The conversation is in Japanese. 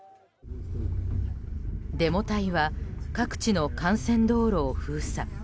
デモ隊は各地の幹線道路を封鎖。